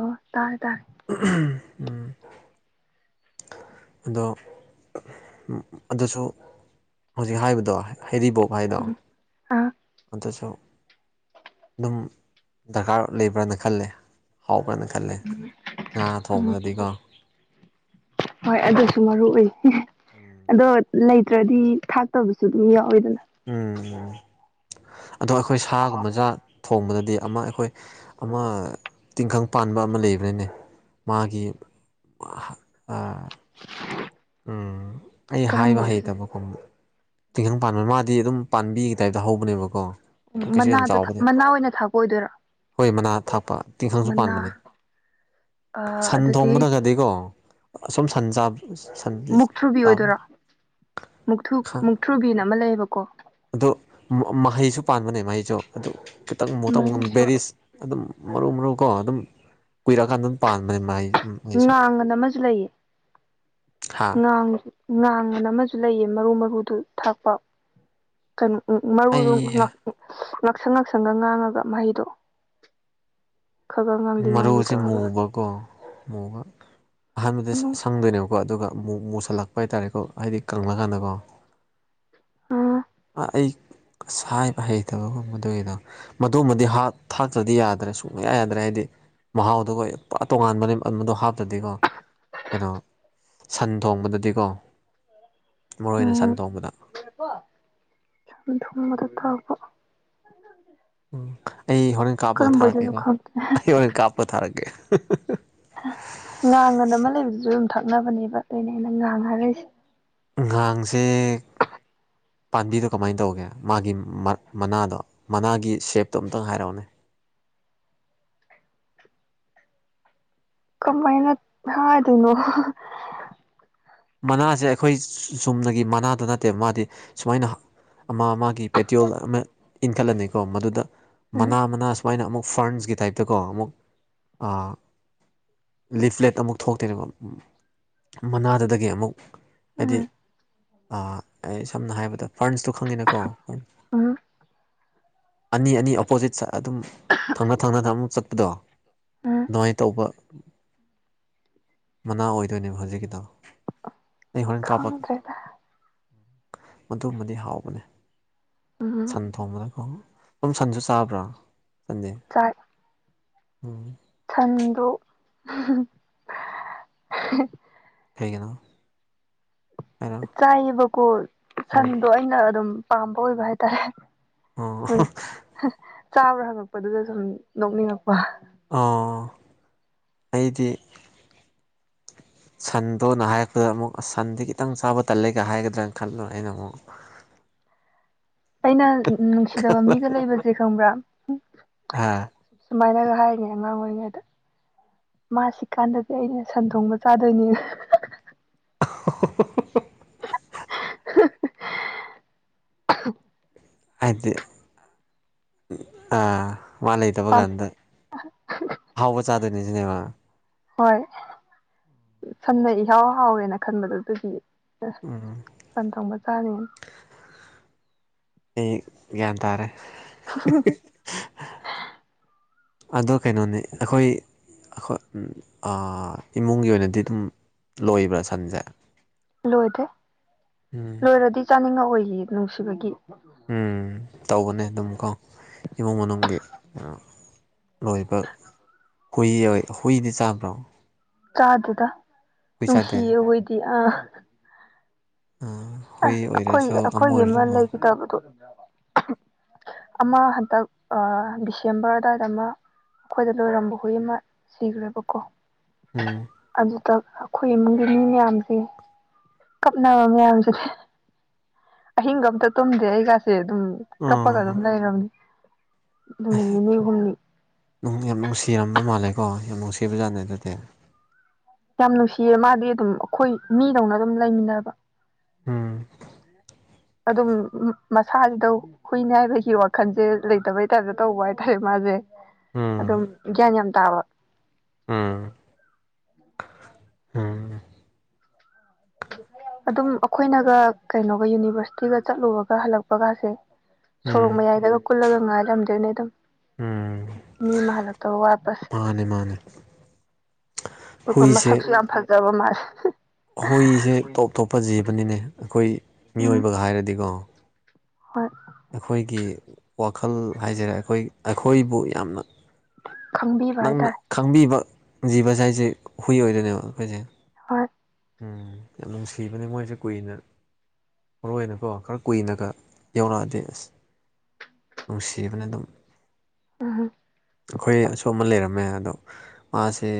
ꯑꯣ ꯇꯥꯔꯦ ꯇꯥꯔꯦ ꯎꯝ ꯑꯗꯣ ꯑꯗꯨꯁꯨ ꯍꯧꯖꯤꯛ ꯍꯥꯏꯕꯗꯣ ꯍꯔꯤꯕꯣꯛ ꯃꯥꯏꯗꫭ ꯎꯝ ꯑꯥ ꯑꯗꯨꯁꯨ ꯑꯗꯨꯝ ꯗꯔꯀꯥꯔ ꯂꯩꯕ꯭ꯔꯅ ꯈꯜꯂꯦ ꯍꯥꯎꯕ꯭ꯔꯅ ꯈꯜꯂꯦ ꯉꯥ ꯎꯝ ꯊꯣꯡꯕꯗꯗꯤꯀꯣ ꯍꯣꯏ ꯑꯗꯨꯁꯨ ꯃꯔꯨ ꯎꯏ ꯎꯝ ꯑꯗꯣ ꯂꯩꯇ꯭ꯔꯗꯤ ꯊꯥꯛ ꯇꯕꯁꯨ ꯑꯗꯨꯝ ꯌꯥꯎꯋꯤꯗꯅ ꯎꯝ ꯑꯗꯣ ꯑꯩꯈꯣꯏ ꯁꯥꯒꯨꯝꯕꯗꯥ ꯊꯣꯡꯕꯗꯗꯤ ꯑꯃ ꯑꯩꯈꯣꯏ ꯑꯃ ꯇꯤꯡꯈꯪ ꯄꯥꯟꯕ ꯑꯃ ꯂꯩꯕꯅꯤꯅꯦ ꯃꯥꯒꯤ [unintelligible] ꯎꯝ ꯑꯩ ꯀꯔꯝꯕ ꯍꯥꯏꯕ ꯑꯣꯏꯗꯣꯏꯅꯣ ꯍꯩꯇꯕ ꯑꯃꯨꯛ ꯇꯤꯡꯈꯡ ꯄꯥꯟꯕ ꯃꯥꯗꯤ ꯑꯗꯨꯝ ꯄꯥꯟꯕꯤꯒꯤ ꯇꯥꯏꯞꯇ ꯍꯧꯕꯅꯦꯕꯀꯣ ꯎ ꯀꯩꯁꯨ ꯌꯥꯝ ꯃꯅꯥꯗ ꯆꯥꯎꯕꯗꯣ ꯃꯅꯥ ꯑꯣꯏꯅ ꯊꯥꯄ ꯑꯣꯏꯗꯣꯏꯔꯣ ꯍꯣꯏ ꯃꯅꯥ ꯊꯥꯛꯄ ꯇꯤꯡꯈꯪꯁꯨ ꯃꯅꯥ ꯄꯥꯟꯕꯅꯦ ꯑꯥ ꯁꯟ ꯑꯗꯨꯗꯤ ꯊꯣꯡꯕꯗꯒꯗꯤꯀꯣ ꯑꯁꯨꯝ ꯁꯟ ꯁꯟ ꯃꯨꯛꯊ꯭ꯔꯨꯕꯤ ꯆꯥꯕ ꯑꯣꯏꯗꯣꯏꯔꯥ ꯃꯨꯨꯛꯊ꯭ꯔꯨ ꯃꯨꯛꯊ꯭ꯔꯨꯕꯤꯅ ꯑꯃ ꯂꯩꯌꯦꯕꯀꯣ ꯑꯗꯣ ꯃꯍꯩꯁꯨ ꯄꯥꯟꯕꯅꯦ ꯃꯍꯩꯁꯨ ꯑꯗꯨ ꯈꯤꯇꯪ ꯃꯨꯠꯇꯪ ꯃꯨ ꯑꯗꯨꯃꯥꯏꯅꯁꯨ ꯕꯦꯔꯤꯁ ꯑꯗꯨꯝ ꯃꯔꯨ ꯃꯔꯨꯀꯣ ꯑꯗꯨꯝ ꯀꯨꯏꯔꯛꯑꯀꯥꯟꯗ ꯑꯗꯨꯝ ꯄꯥꯟꯕꯅꯦ ꯃꯥꯏ ꯉꯥꯡꯒꯅ ꯑꯃꯁꯨ ꯂꯩꯌꯦ ꯍꯥ ꯉꯥꯡꯉꯁꯨ ꯉꯥꯡꯕ ꯑꯃꯁꯨ ꯂꯩꯌꯦ ꯃꯔꯨ ꯃꯔꯨꯗꯨ ꯊꯥꯛꯄ ꯀꯩꯅꯣ ꯃꯔꯨꯗꯨ ꯑꯩ ꯉꯥꯛꯁꯪ ꯉꯥꯛꯁꯪꯒ ꯉꯥꯡꯉꯒ ꯃꯍꯩꯗꯣ ꯈꯒ ꯉꯥꯡꯂꯤ ꯉꯥꯡꯂꯤ ꯇꯧꯔꯒ ꯀꯣ ꯃꯨꯒ ꯑꯍꯥꯟꯕꯗ [unintelligible] ꯎꯝ ꯈꯪꯗꯣꯏꯅꯦꯕꯀꯣ ꯑꯗꯨꯒ ꯑꯃꯨꯛ ꯃꯨꯁꯜꯂꯛꯄ ꯍꯥꯏꯇꯥꯔꯦꯀꯣ ꯍꯥꯏꯗꯤ ꯀꯪꯂꯪꯂꯀꯥꯟꯗꯀꯣ ꯑ ꯑꯩ ꯁꯥꯏꯕ ꯍꯩꯇꯕꯒꯨꯝꯕꯗꯨ ꯑꯩꯗꯣ ꯃꯗꯨꯃꯗꯤ ꯍꯥꯞ ꯊꯥꯛꯇ꯭ꯔꯗꯤ ꯌꯥꯗ꯭ꯔꯦ ꯁꯨꯡꯕꯌꯥ ꯌꯥꯗ꯭ꯔꯦ ꯍꯥꯏꯗꯤ ꯃꯍꯥꯎꯗꯨ ꯒꯣꯏ ꯄꯨꯔꯥ ꯇꯣꯉꯥꯟꯕꯅꯦ ꯑꯗꯨꯗꯣ ꯍꯥꯞꯇꯗꯤꯀꯣ ꯀꯩꯅꯣ ꯁꯟ ꯊꯣꯡꯕꯗꯗꯤꯀꯣ ꯃꯔꯨ ꯑꯣꯏꯅ ꯁꯟ ꯊꯣꯡꯕꯗ ꯁꯟ ꯊꯣꯡꯕꯗ ꯇꯥꯛꯄ ꯎꯝ ꯑꯩ ꯍꯣꯔꯦꯟ ꯀꯥꯞꯄꯒ ꯀꯔꯝꯕꯣꯏꯗꯣꯏꯅꯣ ꯊꯥꯔꯛꯀꯦꯀꯣ ꯈꯪꯗꯦ ꯑꯩ ꯍꯣꯔꯦꯟ ꯀꯥꯞꯄꯒ ꯊꯥꯔꯛꯀꯦ ꯉꯥꯡ ꯑꯅ ꯑꯃ ꯂꯩꯕꯗꯨꯁꯨ ꯑꯗꯨꯝ ꯊꯛꯅꯕꯅꯦꯕ ꯑꯩꯅ ꯑꯩꯅ ꯉꯥꯡ ꯍꯥꯏꯔꯤꯁꯦ ꯉꯥꯡꯁꯦ ꯄꯥꯝꯕꯤꯗꯣ ꯀꯃꯥꯏꯅ ꯇꯧꯒꯦ ꯃꯥꯒꯤ ꯃꯅꯥꯗꯣ ꯃꯅꯥꯒꯤ ꯁꯦꯞꯇꯣ ꯑꯝꯇꯪ ꯍꯥꯏꯔꯛꯎꯅꯦ ꯀꯃꯥꯏꯅ ꯊꯥꯗꯣꯏꯅꯣ ꯃꯅꯥꯁꯦ ꯑꯩꯈꯣꯏ ꯆꯨꯝꯅꯒꯤ ꯃꯅꯥꯗ ꯅꯠꯇꯦꯕ ꯃꯥꯗꯤ ꯁꯨꯃꯥꯏꯅ ꯑꯃ ꯃꯥ ꯄꯦꯇꯤꯌꯣꯜ ꯑꯃ ꯏꯟꯈꯠꯂꯅꯤꯀꯣ ꯃꯗꯨꯗ ꯎꯝ ꯃꯅꯥ ꯃꯅꯥ ꯁꯨꯃꯥꯏꯅ ꯑꯃꯨꯛ ꯐꯔꯟꯁꯀꯤ ꯇꯥꯏꯞꯇꯀꯣ ꯑꯃꯨꯛ ꯂꯤꯐꯂꯦꯠ ꯑꯃꯨꯛ ꯊꯣꯛꯇꯣꯏꯅꯦꯕ ꯃꯅꯥꯗꯨꯗꯒꯤ ꯑꯃꯨꯛ ꯍꯥꯏꯗꯤ ꯎꯝ ꯑꯥ ꯑꯩ ꯁꯝꯅ ꯍꯥꯏꯔꯕꯗ ꯐꯔꯟꯁꯇꯣ ꯈꯪꯉꯤꯅꯀꯣ ꯑ ꯑꯅꯤ ꯑꯅꯤ ꯑꯣꯄꯣꯖꯤꯠ ꯁꯥꯏ ꯑꯗꯨꯝ ꯊꯪꯅ ꯊꯪꯅ ꯑꯃꯨꯛ ꯆꯠꯄꯗꯣ ꯎꯝ ꯑꯗꯨꯃꯥꯏꯅ ꯇꯧꯕ ꯃꯅꯥ ꯑꯣꯏꯗꯣꯏꯅꯦꯕ ꯍꯧꯖꯤꯛꯀꯤꯗꯣ ꯑꯩ ꯍꯣꯔꯦꯟ ꯀꯥꯞꯄꯒꯦ ꯈꯪꯗ꯭ꯔꯦꯗ ꯃꯗꯨꯃꯗꯤ ꯍꯥꯎꯕꯅꯦ ꯎꯝ ꯁꯟ ꯊꯣꯡꯕꯗꯀꯣ ꯁꯨꯝ ꯁꯟꯁꯨ ꯆꯥꯕ꯭ꯔꯥ ꯅꯪꯗꯦ ꯆꯥꯏ ꯎꯝ ꯁꯟꯗꫭ [unintelligible] ꯀꯩꯒꯤꯅꯣ ꯍꯥꯏꯔꯣ ꯆꯥꯏꯌꯦꯕꯀꯣ ꯎꯝ ꯁꯟꯗꯣ ꯑꯩꯅ ꯑꯗꯨꯝ ꯄꯥꯝꯕ ꯑꯣꯏꯕ ꯍꯥꯏꯇꯥꯔꯦ ꯑꯣ [unintelligible] ꯆꯥꯕ꯭ꯔꯥ ꯍꯪꯉꯛꯄꯗꯨꯗ ꯁꯨꯝ ꯅꯣꯛꯅꯤꯡꯉꯛꯄ ꯑ ꯑꯩꯗꯤ ꯁꯟꯗꯣꯅ ꯍꯥꯏꯔꯛꯄꯗ ꯑꯃꯨꯛ ꯁꯟꯗꯤ ꯈꯤꯇꯪ ꯆꯥꯕ ꯇꯜꯂꯦꯒ ꯍꯥꯏꯒꯗ꯭ꯔꯅ ꯈꯜꯂ ꯑꯩꯅ ꯑꯃꯨꯛ ꯑꯩꯅ ꯅꯨꯡꯁꯤꯗꯕ ꯃꯤꯒ ꯂꯩꯕꯁꯦ ꯈꯪꯕ꯭ꯔꯥ ꯍꯥ ꯁꯨꯃꯥꯏꯅ ꯍꯥꯏꯔꯤꯅꯤ ꯑꯉꯥꯡ ꯑꯣꯏꯔꯤꯉꯩꯗ ꯃꯥꯁꯤ ꯀꯥꯟꯗꯗꯤ ꯑꯩꯅ ꯁꯟ ꯊꯣꯡꯕ ꯆꯥꯗꯣꯏꯅꯦ [unintelligible] [unintelligible] ꯍꯥꯏꯗꯤ ꯃꯥ ꯂꯩꯇꯕ ꯀꯥꯟꯗ ꯍꯥꯎꯕ ꯆꯥꯗꯣꯏꯅꯤ ꯁꯤꯅꯦꯕ ꯍꯣꯏ ꯁꯝꯅ ꯏꯍꯥꯎ ꯍꯥꯎꯋꯦꯅ ꯈꯟꯕꯗꯨ ꯑꯗꯨꯗꯤ ꯎ ꯁꯟ ꯊꯣꯡꯕ ꯆꯥꯔꯦꯅ ꯑꯩ ꯒ꯭ꯌꯥꯟ ꯇꯥꯔꯦ ꯑꯗꯣ ꯀꯩꯅꯣꯅꯤ ꯑꯩꯈꯣꯏ ꯑꯩꯈꯣꯏ ꯏꯃꯨꯡꯒꯤ ꯑꯣꯏꯅꯗꯤ ꯑꯗꯨꯝ ꯂꯣꯏꯕ꯭ꯔꯥ ꯁꯟꯁꯦ ꯂꯣꯏꯗꯦ ꯎꯝ ꯂꯣꯏꯔꯗꯤ ꯆꯥꯅꯤꯡꯉꯛ ꯑꯣꯏꯌꯦ ꯅꯨꯡꯁꯤꯕꯒꯤ ꯎꯝ ꯇꯧꯕꯅꯦ ꯑꯗꯨꯝ ꯀꯣ ꯏꯃꯨꯡ ꯃꯅꯨꯡꯒꯤ ꯂꯣꯏꯕ ꯍꯨꯏ ꯍꯨꯏꯗꯤ ꯆꯥꯕ꯭ꯔꯣ ꯆꯥꯗꯨꯗ ꯍꯨꯏ ꯆꯥꯗꯦ ꯅꯨꯡꯁꯤꯌꯦ ꯍꯣꯏꯗꯤ ꯑꯥ ꯑꯥ ꯑꯁ ꯑꯩꯈꯣꯏ ꯑꯩꯈꯣꯏꯒꯤ ꯑꯃ ꯂꯩꯈꯤꯗꯕꯗꯣ ꯑꯃ ꯍꯟꯇꯛ ꯗꯤꯁꯦꯝꯕꯔ ꯑꯗꯨꯋꯥꯏꯗ ꯑꯃ ꯑꯩꯈꯣꯏꯗ ꯂꯣꯏꯔꯝꯕ ꯍꯨꯏ ꯑꯃ ꯁꯤꯈ꯭ꯔꯦꯕꯀꯣ ꯎꯝ ꯑꯗꯨꯗ ꯑꯩꯈꯣꯏ ꯏꯃꯨꯡꯒꯤ ꯃꯤ ꯃꯌꯥꯝꯁꯦ ꯀꯞꯅꯕ ꯃꯌꯥꯝꯁ ꯑꯍꯤꯡꯒ ꯑꯝꯇ ꯇꯨꯝꯗꯦ ꯑꯩꯒꯥꯁꯦ ꯑꯗꯨꯝ ꯀꯞꯄꯒ ꯑꯗꯨꯝ ꯑꯥ ꯂꯩꯝꯔꯝꯅꯤ ꯅꯨꯃꯤꯠ ꯅꯤꯅꯤ ꯍꯨꯝꯅꯤ ꯅꯨꯡ ꯌꯥꯝ ꯅꯨꯡꯁꯤꯔꯝꯕ ꯃꯥꯜꯂꯦꯀꯣ ꯌꯥꯝ ꯅꯨꯡꯁꯤꯕꯖꯥꯠꯅꯦ ꯑꯗꯨꯗꯤ ꯌꯥꯝ ꯅꯨꯡꯁꯤꯌꯦ ꯃꯥꯗꯤ ꯑꯗꯨꯝ ꯑꯩꯈꯣꯏ ꯃꯤꯗꯧꯅ ꯑꯗꯨꯝ ꯂꯩꯃꯤꯟꯅꯕ ꯎꯨꯝ ꯑꯗꯨꯝ ꯃꯁꯥꯁꯤꯗ ꯍꯨꯏꯅꯦ ꯍꯥꯏꯕꯒꯤ ꯋꯥꯈꯜꯁꯦ ꯂꯩꯇꯕꯩ ꯇꯥꯏꯞꯇ ꯇꯧꯕ ꯍꯥꯏꯇꯥꯔꯦ ꯃꯥꯁꯦ ꯑꯗꯨꯝ ꯎꯝ ꯒ꯭ꯌꯥꯟ ꯌꯥꯝ ꯇꯥꯕ ꯎꯝ ꯎꯝ ꯑꯗꯨꯝ ꯑꯩꯈꯣꯏꯅꯒ ꯀꯩꯅꯣꯒ ꯌꯨꯅꯤꯚꯔꯁꯤꯇꯤꯒ ꯆꯠꯂꯨꯔꯒ ꯍꯜꯂꯛꯄꯒꯥꯁꯦ ꯎꯝ ꯁꯣꯔꯣꯛ ꯃꯌꯥꯏꯗꯒ ꯀꯨꯜꯂꯒ ꯉꯥꯏꯔꯝꯗꯣꯏꯅꯦ ꯑꯗꯨꯝ ꯎꯨꯝ ꯃꯤ ꯃꯥꯂ ꯇꯧ ꯋꯥꯄꯁ ꯃꯥꯅꯦ ꯃꯥꯅꯦ ꯑꯗꯨꯒ ꯍꯏꯁ ꯃꯁꯛꯁꯨ ꯌꯥꯝ ꯐꯖꯕ ꯃꯥꯜꯂꯦ ꯍꯏꯁ ꯇꯞ ꯑꯇꯣꯞꯄ ꯖꯤꯕꯅꯤꯅꯦ ꯑꯩꯈꯣꯏ ꯎꯝ ꯃꯤꯑꯣꯏꯕꯒ ꯍꯥꯏꯔꯗꯤꯀꯣ ꯍꯣꯏ ꯑꯩꯈꯣꯏꯒꯤ ꯋꯥꯈꯜ ꯍꯥꯏꯖꯔꯦ ꯑꯩꯈꯣꯏ ꯑꯩꯈꯣꯏꯕꯨ ꯌꯥꯝꯅ ꯈꯪꯕꯤꯕ ꯅꯪꯅ ꯍꯥꯏꯇꯥꯔꯦ ꯈꯪꯕꯤꯕ ꯖꯤꯕꯁ ꯍꯥꯏꯁꯦ ꯍꯨꯏ ꯑꯣꯏꯗꯣꯏꯅꯦꯕ ꯑꯩꯈꯣꯏꯁꯦ ꯍꯣꯏ ꯎꯝ ꯌꯥꯝ ꯅꯨꯡꯁꯤꯕꯅꯦ ꯃꯣꯏꯁꯦ ꯀꯨꯏꯅ ꯃꯔꯨꯑꯣ ꯑꯣꯏꯅꯀꯣ ꯈꯔ ꯀꯨꯏꯅꯒ ꯌꯧꯔꯛꯑꯗꯤꯦ ꯑꯁ ꯅꯨꯡꯁꯤꯕꯅ ꯑꯗꯨꯝ ꯎꯨꯝ ꯑꯩꯈꯣꯏ ꯑꯁꯣ ꯑꯃ ꯂꯩꯔꯝꯃꯦ ꯑꯗꯣ ꯃꯥꯁꯦ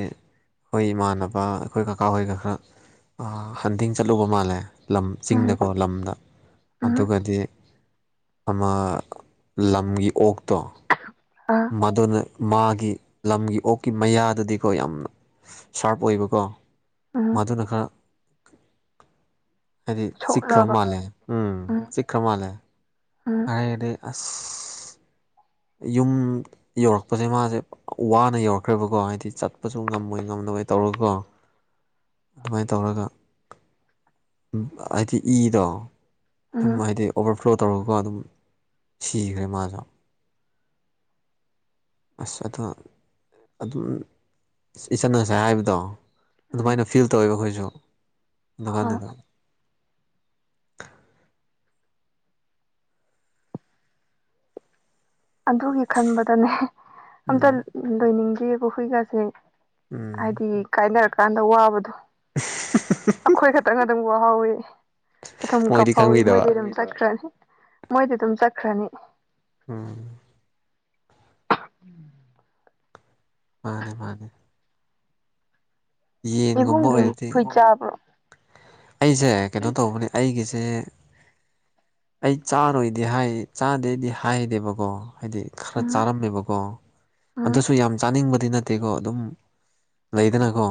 ꯑꯩꯈꯣꯏ ꯏꯃꯥꯟꯅꯕ ꯑꯩꯈꯣꯏ ꯀꯀꯥ ꯍꯣꯏꯒ ꯈꯔ ꯑꯥ ꯍꯟꯗꯤꯡ ꯆꯠꯂꯨꯕ ꯃꯥꯜꯂꯦ ꯂꯝ ꯎꯝ ꯆꯤꯡꯗꯀꯣ ꯂꯝꯗ ꯎꯝ ꯑꯗꯨꯒꯗꯤ ꯑꯃ ꯂꯝꯒꯤ ꯑꯣꯛꯇꯣ ꯑꯥ ꯃꯗꯨꯅ ꯃꯥꯒꯤ ꯂꯝꯒꯤ ꯑꯣꯛꯀꯤ ꯃꯌꯥꯗꯗꯤꯀꯣ ꯌꯥꯝꯅ ꯁꯥꯔꯞ ꯑꯣꯏꯕꯀꯣ ꯎꯝ ꯃꯥꯗꯨꯅ ꯈꯔ ꯍꯥꯏꯗꯤ ꯆꯤꯛꯈ꯭ꯔꯕ ꯁꯣꯛꯂꯕ ꯃꯥꯜꯂꯦ ꯎꯨꯝ ꯎꯝ ꯆꯤꯛꯈ꯭ꯔ ꯃꯥꯜꯂꯦ ꯎꯝ ꯑꯔꯩꯗꯤ ꯑꯥꯁ ꯌꯨꯝ ꯌꯧꯔꯛꯄꯁꯦ ꯃꯥꯁꯦ ꯋꯥꯅ ꯌꯧꯔꯛꯈ꯭ꯔꯦꯕꯀꯣ ꯍꯥꯏꯗꯤ ꯆꯠꯄꯁꯨ ꯉꯝꯃꯣꯏ ꯉꯝꯗꯣꯏ ꯇꯧꯔꯀꯣ ꯑꯗꯨꯃꯥꯏꯅ ꯇꯧꯔꯒ ꯍꯥꯏꯗꯤ ꯏꯗꯣ ꯑꯗꯨꯝ ꯎꯝ ꯍꯥꯏꯗꯤ ꯑꯣꯚꯔꯐ꯭ꯂꯣ ꯇꯧꯔꯒ ꯑꯗꯨꯝ ꯁꯤꯈ꯭ꯔꯦ ꯃꯥꯁꯨ ꯑꯥꯁ ꯑꯗꯣ ꯑꯗꯨꯝ ꯏꯆꯟ ꯉꯁꯥꯏ ꯍꯥꯏꯕꯗꯣ ꯎꯝ ꯑꯗꯨꯃꯥꯏꯅ ꯐꯤꯜ ꯇꯧꯋꯦꯕ ꯑꯩꯈꯣꯏꯁꯨ ꯍꯣꯏ ꯑꯗꯨꯀꯥꯟꯗꯨꯗ ꯑꯗꯨꯒꯤ ꯈꯟꯕꯗꯅꯦ ꯑꯝꯇ ꯎꯝ ꯂꯣꯏꯅꯤꯡꯗꯦꯑꯕ ꯍꯨꯏꯒꯥꯁꯦ ꯎꯝ ꯍꯥꯏꯗꯤ ꯀꯥꯏꯅꯔꯀꯥꯟꯗ ꯋꯥꯕꯗꯣ ꯑꯩꯈꯣꯏ ꯈꯛꯇꯪ ꯑꯗꯨꯝ ꯎ ꯍꯥꯎꯋꯤ ꯎꯊꯨꯝ ꯃꯣꯏꯗꯤ ꯀꯞꯐꯥꯎꯋꯤ ꯈꯪꯕꯤꯗꯕ ꯃꯣꯏꯗꯤ ꯑꯗꯨꯝ ꯆꯠꯈ꯭ꯔꯅꯤ ꯃꯣꯏꯗꯤ ꯑꯗꯨꯝ ꯆꯠꯈ꯭ꯔꯅꯤ꯫ ꯎꯨꯝ ꯎꯨꯝ ꯃꯥꯅꯦ-ꯃꯥꯅꯦ ꯌꯦꯟꯒꯨꯝꯕ ꯏꯕꯨꯡꯗꯤ ꯑꯣꯏꯔꯗꯤ ꯍꯨꯏ ꯆꯥꯕ꯭ꯔꯣ ꯑꯩꯁꯦ ꯀꯩꯅꯣ ꯇꯧꯕꯅꯦ ꯑꯩꯒꯤꯁꯦ ꯑꯩ ꯆꯥꯔꯣꯏꯗꯤ ꯍꯥꯏ ꯆꯥꯗꯦꯗꯤ ꯍꯥꯏꯗꯦꯕꯀꯣ ꯍꯥꯏꯗꯤ ꯈꯔ ꯎꯝ ꯆꯥꯔꯝꯃꯦꯕꯀꯣ ꯎꯝ ꯑꯗꯨꯁꯨ ꯌꯥꯝ ꯆꯥꯅꯤꯡꯕꯗꯤ ꯅꯠ ꯅꯠꯇꯦꯀꯣ ꯑꯗꯨꯝ ꯂꯩꯗꯅꯀꯣ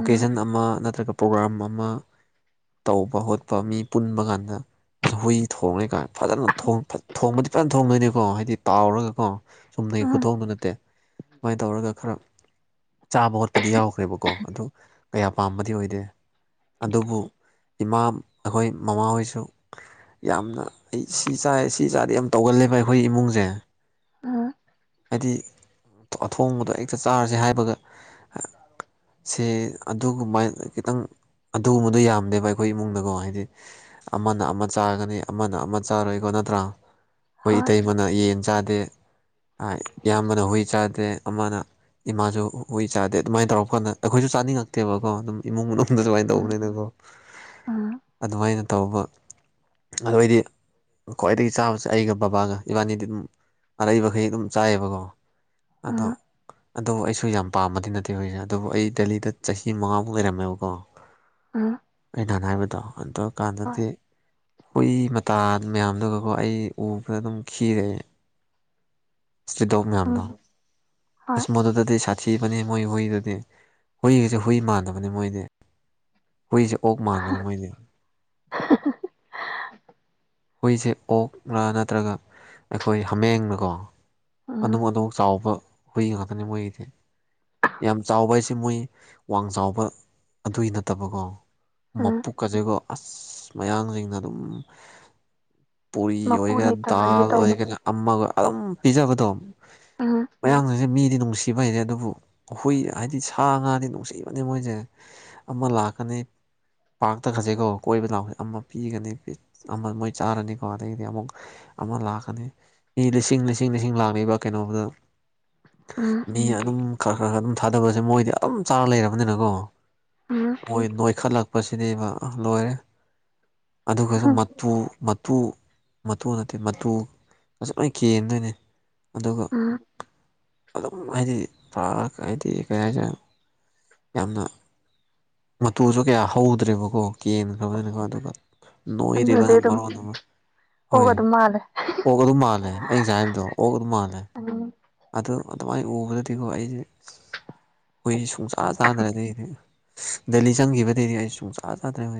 ꯎꯝ ꯑꯃ ꯅꯠꯇ꯭ꯔꯒ ꯄ꯭ꯔꯣꯒꯥꯝ ꯑꯃ ꯇꯧꯕ ꯈꯣꯠꯄ ꯃꯤ ꯄꯨꯟꯕ ꯀꯥꯟꯗ ꯑ ꯍꯨꯏ ꯊꯣꯡꯉꯅꯤ ꯀꯥꯏ ꯐꯖꯅ ꯊꯣꯡꯕꯗꯤ ꯐꯖꯅ ꯊꯣꯡꯗꯣꯏꯅꯤꯀꯣ ꯍꯥꯏꯗꯤ ꯇꯥꯎꯔꯒꯀꯣ ꯆꯨꯝꯅꯒꯤ ꯎꯝ ꯈꯨꯊꯣꯕ ꯅꯠꯇꯦ ꯁꯨꯃꯥꯏꯅ ꯇꯧꯔꯒ ꯈꯔ ꯆꯥꯕ ꯈꯣꯠꯄꯗꯤ ꯌꯥꯎꯈ꯭ꯔꯦꯕꯀꯣ ꯑꯗꯨ ꯀꯌꯥ ꯄꯥꯝꯕꯗꯤ ꯑꯣꯏꯗꯦ ꯑꯗꯨꯕꯨ ꯏꯃꯥ ꯑꯩꯈꯣꯏ ꯃꯃꯥꯍꯣꯏꯁꯨ ꯌꯥꯝꯅ ꯑꯩ ꯁꯤ ꯆꯥꯏ ꯁꯤ ꯆꯥꯗꯤ ꯌꯥꯝ ꯇꯧꯒꯜꯂꯦꯕ ꯑꯩꯈꯣꯏ ꯏꯃꯨꯡꯁꯦ ꯎꯝ ꯍꯥꯏ ꯑꯊꯣꯡꯕꯗꯣ ꯍꯦꯛꯇ ꯆꯥꯔꯁꯦ ꯍꯥꯏꯕꯒ ꯁꯦ ꯑꯗꯨꯒꯨꯝꯕ ꯈꯤꯇꯪ ꯑꯗꯨꯒꯨꯝꯕꯗꯣ ꯌꯥꯝꯗꯦꯕ ꯑꯩꯈꯣꯏ ꯏꯃꯨꯡꯗꯀꯣ ꯍꯥꯏꯗꯤ ꯑꯃꯅ ꯑꯃ ꯆꯥꯒꯅꯤ ꯑꯃꯅ ꯑꯃ ꯆꯥꯔꯣꯏꯀꯣ ꯅꯠꯇ꯭ꯔꯥ ꯑꯩꯈꯣꯏ ꯍꯣꯏ ꯏꯇꯩꯃꯅ ꯌꯦꯟ ꯆꯥꯗꯦ ꯏꯌꯥꯝꯕꯅ ꯍꯨꯏ ꯆꯥꯗꯦ ꯑꯃꯅ ꯏꯃꯥꯁꯨ ꯍꯨꯏ ꯆꯥꯗꯦ ꯑꯗꯨꯃꯥꯏꯅ ꯇꯧꯔ ꯀꯥꯟꯗ ꯑꯩꯈꯣꯏꯁꯨ ꯆꯥꯅꯤꯡꯉꯛꯇꯦꯕꯀꯣ ꯑꯗꯨꯝ ꯏꯃꯨꯡ ꯃꯅꯨꯡꯗꯗꯁꯨ ꯎꯝ ꯇꯧꯕꯅꯤꯅꯀꯣ ꯎꯝ ꯑꯗꯨꯃꯥꯏꯅ ꯇꯧꯕ ꯑꯗꯨꯑꯣ ꯑꯣꯏꯗꯤ ꯈ꯭ꯋꯥꯏꯗꯒꯤ ꯆꯥꯕꯁꯦ ꯑꯩꯒ ꯕꯕꯥꯒ ꯏꯕꯥꯅꯤꯗꯤ ꯑꯗꯨꯝ ꯑꯔꯛꯩꯕꯈꯩ ꯑꯗꯨꯝ ꯆꯥꯏꯑꯕꯀꯣ ꯑꯗꯣ ꯎꯝ ꯑꯗꯨ ꯑꯩꯁꯨ ꯌꯥꯝ ꯄꯥꯝꯕꯗꯤ ꯅꯠꯇꯦ ꯍꯨꯏꯁꯦ ꯑꯗꯨꯕꯨ ꯑꯩ ꯗꯦꯂꯤꯗ ꯆꯍꯤ ꯃꯉꯥꯃꯨꯛ ꯂꯩꯔꯝꯃꯦꯕꯀꯣ ꯑꯥ ꯑꯩꯅ ꯍꯥꯏꯕꯗꯣ ꯑꯗꯨ ꯀꯥꯟꯗꯗꯤ ꯍꯨꯏ ꯃꯇꯥ ꯃꯌꯥꯝꯗꯨꯒꯀꯣ ꯑꯩ ꯎꯕꯗ ꯑꯗꯨꯝ ꯈꯤꯔꯦ ꯁꯤꯇꯔꯤꯠ ꯗꯣꯛ ꯎꯝ ꯃꯌꯥꯝꯗꯣ ꯍꯣꯏ ꯑꯁ ꯃꯗꯨꯗꯗꯤ ꯁꯥꯊꯤꯕꯅꯤ ꯃꯣꯏ ꯍꯨꯏꯗꯗꯤ ꯍꯨꯏꯒꯁꯦ ꯍꯨꯏ ꯃꯥꯟꯗꯕꯅꯤ ꯃꯣꯏꯗꯤ ꯍꯨꯏꯁꯦ ꯑꯣꯛ ꯃꯥꯟꯕꯅꯦ ꯃꯣꯏꯗꯤ ꯍꯨꯏꯁꯦ ꯑꯣꯛꯅꯥ ꯅꯠꯇ꯭ꯔꯒ ꯑꯩꯈꯣꯏ ꯍꯥꯃꯦꯡꯅꯀꯣ ꯎꯝ ꯑꯗꯨꯝ ꯑꯗꯨꯃꯛ ꯆꯥꯎꯕ ꯍꯨꯏ ꯉꯥꯛꯇꯅꯤ ꯃꯣꯏꯒꯤꯗꯤ ꯌꯥꯝ ꯆꯥꯎꯕ ꯍꯥꯏꯁꯦ ꯃꯣꯏ ꯋꯥꯡ ꯆꯥꯎꯕ ꯑꯗꯨꯏ ꯅꯠꯇꯕꯀꯣ ꯎꯝ ꯃꯄꯀꯁꯤꯒꯣ ꯑꯁ ꯃꯌꯥꯡꯁꯤꯡꯅ ꯑꯗꯨꯝ ꯄꯨꯔꯤ ꯃꯄꯨ ꯑꯣꯏꯒꯦꯔꯥ ꯂꯩꯇꯕꯒꯤ ꯗꯥꯜ ꯇꯧꯕꯗꯣ ꯑꯣꯏꯒꯦꯔꯥ ꯑꯃ ꯑꯗꯨꯝ ꯄꯤꯖꯕꯗꯣ ꯎꯝ ꯃꯌꯥꯝꯗꯨꯁꯦ ꯃꯤꯗꯤ ꯅꯨꯡꯁꯤꯕ ꯍꯥꯏꯁꯦ ꯑꯗꯨꯕꯨ ꯑꯩꯈꯣꯏ ꯍꯥꯏꯗꯤ ꯁꯥꯥ ꯉꯥꯗꯤ ꯅꯨꯡꯁꯤꯕꯅꯤ ꯃꯣꯏꯁꯦ ꯑꯃ ꯂꯥꯛꯀꯅꯤ ꯄꯥꯛꯇ ꯈꯖꯩꯀꯣ ꯀꯣꯏꯕ ꯂꯥꯎꯁꯦ ꯑꯃ ꯄꯤꯒꯅꯤ ꯑꯃ ꯃꯣꯏ ꯆꯥꯔꯅꯤꯀꯣ ꯑꯗꯒꯤꯗꯤ ꯑꯃꯨꯛ ꯑꯃ ꯂꯥꯛꯀꯅꯤ ꯏ ꯂꯤꯁꯤꯡ ꯂꯤꯁꯤꯡ ꯂꯤꯁꯤꯡ ꯂꯥꯛꯂꯤꯕ ꯀꯩꯅꯣꯕꯨꯗ ꯎꯝ ꯃꯤ ꯑꯗꯨꯝ ꯈꯔ ꯈꯔ ꯈꯔ ꯑꯗꯨꯝ ꯊꯥꯗꯕꯁꯦ ꯃꯣꯏꯗꯤ ꯑꯗꯨꯝ ꯆꯥꯔ ꯂꯩꯔꯕꯅꯤꯅꯀꯣ ꯎꯝ ꯃꯣꯏ ꯅꯣꯏꯈꯠꯂꯛꯄꯁꯤꯅꯦꯕ ꯂꯣꯏꯔꯦ ꯑꯗꯨꯒꯁꯨ ꯃꯇꯨ ꯃꯇꯨ ꯃꯇꯨ ꯅꯠꯇꯦ ꯃꯇꯨ ꯑꯁꯨ ꯂꯣꯏ ꯀꯦꯟꯗꯣꯏꯅꯦ ꯑꯗꯨꯒ ꯎꯝ ꯑꯗꯨꯝ ꯍꯥꯏꯗꯤ ꯐꯑꯒ ꯍꯥꯏꯗꯤ ꯀꯔꯤ ꯍꯥꯏꯁꯦ ꯌꯥꯝꯅ ꯃꯇꯨꯁꯨ ꯀꯌꯥ ꯍꯧꯗ꯭ꯔꯦꯕꯀꯣ ꯀꯦꯟꯈ꯭ꯔꯕꯅꯤꯅꯀꯣ ꯑꯗꯨꯒ ꯅ ꯑꯗꯨꯗꯤ ꯑꯗꯨꯝ ꯏꯔꯕꯝꯔ ꯑꯣꯛ ꯍꯣꯏ ꯑꯗꯨꯝ ꯃꯥꯜꯂꯦ ꯑꯣꯛ ꯑꯗꯨꯝ ꯃꯥꯜꯂꯦ ꯑꯩ ꯉꯁꯥꯏ ꯍꯥꯏꯕꯗꯣ ꯑꯣꯛ ꯑꯗꯨꯝ ꯃꯥꯜꯂꯦ ꯑ ꯑꯗꯨꯗ ꯑꯗꯨꯃꯥꯏꯅ ꯎꯕꯗꯗꯤꯀꯣ ꯑꯩꯁꯦ ꯑꯩꯈꯣꯏꯁ ꯁꯨꯡꯆꯥꯥ ꯆꯥꯗ꯭ꯔꯗꯤꯗꯤ ꯗꯦꯜꯂꯤ ꯆꯪꯈꯤꯕꯗꯩꯗꯤ ꯑꯩ ꯁꯨꯡ ꯆꯥ ꯆꯥꯗ꯭ꯔꯦ ꯍ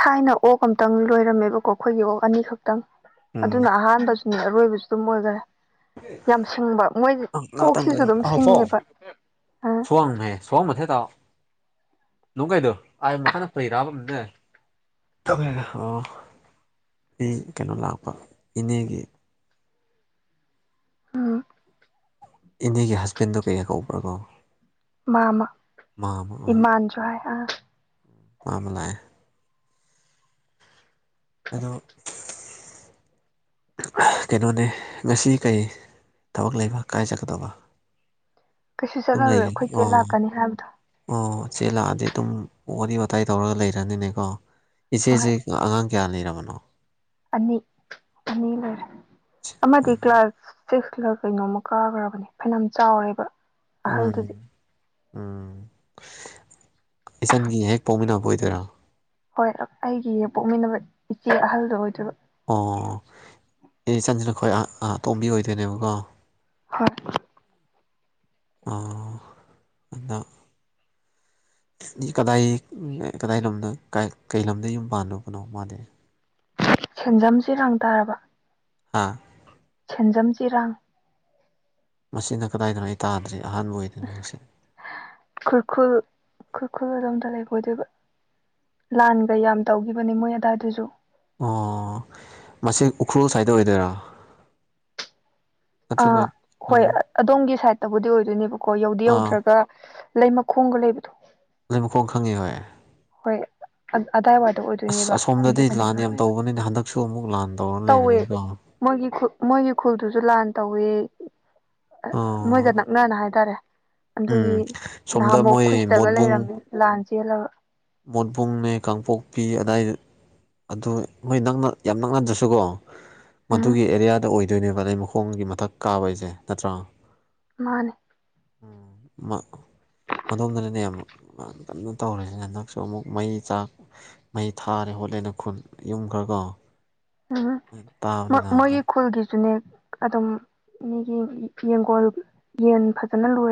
ꯊꯥꯏꯅ ꯑꯣꯛ ꯑꯃꯇꯪ ꯂꯣꯏꯔꯝꯃꯦꯕꯀꯣ ꯑꯩꯈꯣꯏꯒꯤ ꯑꯣꯛ ꯑꯅꯤꯈꯛꯇꯪ ꯎꯝ ꯑꯗꯨꯅ ꯑꯍꯥꯟꯕꯁꯨ ꯎꯝ ꯑꯔꯣꯏꯕꯁꯨ ꯑꯗꯨꯝ ꯑꯣꯏꯈꯔꯦ ꯌꯥꯝ ꯁꯤꯡꯕ ꯃꯣꯏ ꯉꯥꯛꯇꯪ ꯀꯣꯛꯁꯤꯁꯨ ꯑꯗꯨꯝ ꯁꯤꯡꯉꯦꯕ ꯑ ꯋꯥꯡꯃꯦ ꯁꯣ ꯃꯊꯦ ꯇꯥꯎꯑꯣ ꯅꯨꯡ ꯀꯩꯗꯣ ꯑꯥꯏ ꯃꯈꯥꯅ ꯄꯩꯔꯛꯑꯕꯅꯦ ꯑꯣ ꯑꯩ ꯀꯩꯅꯣ ꯂꯥꯛꯄ ꯏꯅꯦꯒꯤ ꯎꯝ ꯏꯅꯦꯒꯤ ꯍꯁꯕꯦꯟꯗꯣ ꯀꯩꯀ ꯀꯧꯕ꯭ꯔꯀꯣ ꯃꯥꯃ ꯑꯣꯏ ꯏꯃꯥꯟꯁꯨ ꯍꯥꯏ ꯑꯥ ꯃꯥ ꯑꯃꯂꯑ ꯑꯗꯣ [unintelligible] ꯀꯩꯅꯣꯅꯦ ꯉꯁꯤ ꯀꯩ ꯊꯕꯛ ꯂꯩꯕ ꯀꯥꯏꯖꯠꯀꯗꯧꯕ ꯀꯩꯁꯨ ꯆꯠꯂꯔꯣꯏ ꯑꯩꯈꯣꯏ ꯆꯦ ꯑꯣ ꯂꯥꯛꯀꯅꯤ ꯍꯥꯏꯕꯗꯣ ꯑꯣ ꯏꯆꯦ ꯂꯥꯛꯑꯗꯤ ꯑꯗꯨꯝ ꯋꯥꯔꯤ ꯋꯥꯇꯥꯏ ꯇꯧꯔꯒ ꯂꯩꯔꯅꯤꯅꯦꯀꯣ ꯍꯣꯏ ꯏꯆꯦꯁꯤꯦ ꯑꯉꯥꯡ ꯀꯌꯥ ꯂꯩꯔꯕꯅꯣ ꯑꯅꯤ ꯑꯅꯤ ꯂꯩꯔꯦ ꯑꯃꯗꯤ ꯀ꯭ꯂꯥꯁ ꯁꯤꯁꯂ ꯀꯩꯅꯣꯃ ꯀꯥꯈ꯭ꯔꯕꯅꯦ ꯐꯅꯌꯥꯝ ꯆꯥꯎꯔꯦꯕ ꯎꯝ ꯑꯍꯜꯗꯨꯗꯤ ꯎꯝ ꯏꯆꯟꯒꯤ ꯍꯦꯛ ꯄꯥꯎꯃꯤꯟꯅꯕ ꯑꯣꯏꯗꯣꯏꯔꯥ ꯍꯣꯏ ꯑꯩꯒꯤ ꯄꯣꯛꯃꯤꯟꯅꯕ ꯏꯆꯦ ꯑꯍꯜꯗꯣ ꯑꯣꯏꯗꯣꯏꯔ ꯑꯣ ꯑꯦ ꯏꯆꯟꯁꯤꯅꯈꯣꯏ ꯇꯣꯝꯕꯤ ꯑꯣꯏꯗꯣꯏꯅꯦꯕꯀꯣ ꯍꯣꯏ ꯑ ꯑꯗ ꯀꯗꯥꯏ ꯀꯗꯥꯏ ꯂꯝꯣꯗꯣ ꯀꯩ ꯂꯝꯣꯝꯗ ꯌꯨꯝ ꯄꯥꯟꯕꯅꯣ ꯃꯥꯗꯤ ꯁꯦꯟꯖꯝꯁꯤꯦꯔꯥꯡ ꯇꯥꯔꯕ ꯍꯥꯥ ꯁꯦꯟꯖꯝ ꯆꯔꯥꯡ ꯃꯁꯤꯅ ꯀꯗꯥꯏꯗꯅꯣ ꯑꯩ ꯇꯥꯗ꯭ꯔꯤ ꯑꯍꯥꯟꯕ ꯑꯣꯏꯗꯣꯏꯅꯁ ꯈꯨꯔꯈꯨꯜ ꯈꯨꯔꯈꯨꯜ ꯑꯣꯝꯇ ꯂꯩꯕ ꯑꯣꯏꯗꯣꯏꯕ ꯂꯥꯟꯒ ꯌꯥꯝ ꯇꯧꯈꯤꯕꯅꯦ ꯃꯣꯏ ꯑꯗꯥꯏꯗꯨꯁꯨ ꯑꯣ ꯃꯁꯤ ꯎꯈ꯭ꯔꯨꯜ ꯁꯥꯏꯠꯇ ꯑꯣꯏꯗꯣꯏꯔꯥ ꯑ ꯅꯠꯇ꯭ꯔꯒ ꯍꯣꯏ ꯑꯗꯣꯝꯒꯤ ꯁꯥꯏꯗꯠꯇꯕꯨꯗꯤ ꯑꯣꯏꯗꯣꯏꯅꯦꯕꯀꯣ ꯌꯧꯗꯤ ꯑꯥ ꯌꯧꯗ꯭ꯔꯒ ꯂꯩ ꯃꯈꯣꯡꯒ ꯂꯩꯕꯗꯣ ꯂꯩꯕꯀꯣꯡ ꯈꯪꯉꯤ ꯍꯣꯏ ꯍꯣꯏ ꯑꯗꯥꯏꯋꯥꯏꯗ ꯑꯁ ꯑꯣꯏꯗꯣꯏꯅꯦꯕ ꯑꯁꯣꯝꯗꯗꯤ ꯑꯗꯨꯒꯅ ꯂꯥꯟ ꯌꯥꯝ ꯇꯧꯕꯅꯤꯅ ꯍꯟꯗꯛꯁꯨ ꯑꯃꯨꯛ ꯂꯥꯟ ꯇꯧꯔ ꯇꯧꯋꯦ ꯂꯩꯕꯅꯤꯀꯣ ꯃꯣꯏꯒꯤ ꯈꯨ ꯃꯣꯏꯒꯤ ꯈꯨꯜꯗꯨꯁꯨ ꯂꯥꯟ ꯇꯧꯏ ꯃꯣꯏꯒ ꯑꯣ ꯅꯛꯅꯅ ꯍꯥꯏꯇꯥꯔꯦ ꯎꯝ ꯑꯗꯨꯒꯤ ꯁꯣꯝꯗ ꯅꯍꯥꯃꯨꯛ ꯃꯣꯏ ꯈꯨꯁꯇꯒ ꯃꯣꯠꯕꯨꯡ ꯂꯩꯔꯝꯃꯦ ꯂꯥꯟ ꯆꯦꯜꯂꯒ ꯃꯣꯠꯕꯨꯡꯅꯦ ꯀꯥꯡꯄꯣꯛꯄꯤ ꯑꯗꯥꯏꯗ ꯑꯗꯨ ꯃꯣꯏ ꯅꯛꯅ ꯌꯥꯝ ꯅꯛꯅꯗ꯭ꯔꯁꯨꯀꯣ ꯎꯝ ꯃꯗꯨꯒꯤ ꯑꯦꯔꯤꯌꯥꯗ ꯑꯣꯏꯗꯣꯏꯅꯦꯕ ꯂꯩ ꯃꯈꯣꯡꯒꯤ ꯃꯊꯛ ꯀꯥꯕꯁꯦ ꯅꯠꯇ꯭ꯔꯥ ꯃꯥꯅꯦ ꯎꯝ ꯃꯗꯣꯝꯗꯅꯅꯦ ꯑꯃꯨꯛ ꯀꯟꯅꯣ ꯇꯧꯔꯤꯁꯤꯅ ꯑꯗꯨꯝ ꯁꯨ ꯑꯃꯨꯛ ꯃꯩ ꯆꯥꯛ ꯃꯩ ꯊꯥꯔꯦ ꯍꯣꯠꯂꯦꯅ ꯈꯨꯟ ꯌꯨꯝ ꯈꯔꯒꯣ ꯎꯝ ꯃ ꯃꯒꯤ ꯍꯟꯗꯛ ꯈꯣꯜꯒꯦꯁꯨꯅꯦ ꯑꯗꯨꯝ ꯃꯤꯒꯤꯤ ꯌꯦꯡꯒꯣꯜ ꯌꯦꯟ ꯐꯖꯅ ꯂꯣꯏꯔꯦ